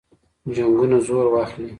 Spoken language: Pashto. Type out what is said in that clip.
جنګونه زور واخلي.